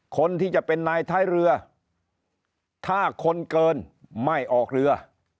คนที่จะเป็นนายท้ายเรือถ้าคนเกินไม่ออกเรือ